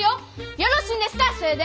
よろしいんですかそれで！？